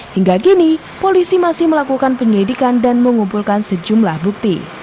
hingga kini polisi masih melakukan penyelidikan dan mengumpulkan sejumlah bukti